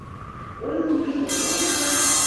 — Ойлымыжо-можо...